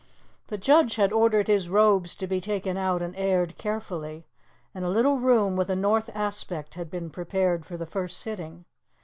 The judge had ordered his robes to be taken out and aired carefully, and a little room with a north aspect had been prepared for the first sitting.